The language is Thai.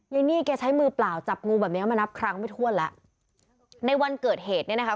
นี่แกใช้มือเปล่าจับงูแบบเนี้ยมานับครั้งไม่ถ้วนแล้วในวันเกิดเหตุเนี่ยนะคะ